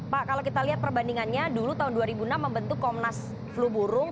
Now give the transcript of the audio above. pak kalau kita lihat perbandingannya dulu tahun dua ribu enam membentuk komnas flu burung